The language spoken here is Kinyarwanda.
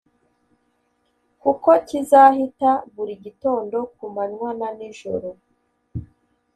kuko kizahita buri gitondo, ku manywa na nijoro,